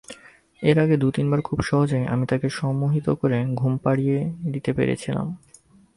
এর আগে দু-তিনবার খুব সহজেই আমি তাকে সম্মোহিত করে ঘুম পাড়িয়ে দিতে পেরেছিলাম।